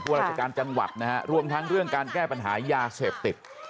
ราชการจังหวัดนะฮะรวมทั้งเรื่องการแก้ปัญหายาเสพติด